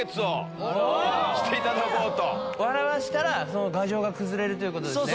笑わせたらその牙城が崩れるということですね。